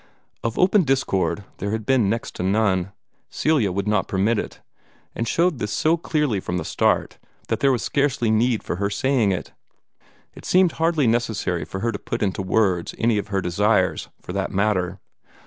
Of open discord there had been next to none. Celia would not permit it, and showed this so clearly from the start that there was scarcely need for her saying it. It seemed hardly necessary for her to put into words any of her desires, for that matter.